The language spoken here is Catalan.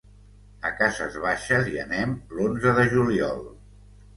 A Cases Baixes hi anem l'onze de juliol.